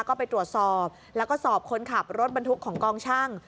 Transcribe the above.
ก็ไปตรวจสอบแล้วก็สอบคนขับรถบรรทุกของกองช่าง